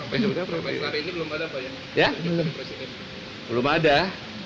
pemirsa pemirsa ini belum ada pak ya